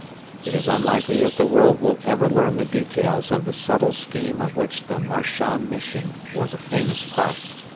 It is unlikely that the world will ever learn the details of the subtle scheme of which the Marchand Mission was a famous part.